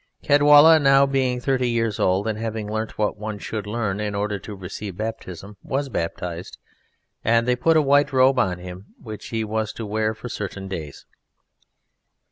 Caedwalla, now being thirty years old and having learnt what one should learn in order to receive baptism, was baptized, and they put a white robe on him which he was to wear for certain days.